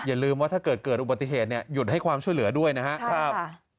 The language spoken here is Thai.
อย่าลืมว่าถ้าเกิดเกิดอุบัติเหตุเนี่ยหยุดให้ความช่วยเหลือด้วยนะครับ